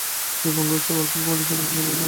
তিনি Congress working কমিটির সদস্য নির্বাচিত হন।